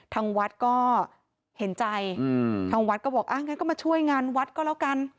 ทางวัดก็เห็นใจอืมทางวัดก็บอกอ่ะงั้นก็มาช่วยงานวัดก็แล้วกัน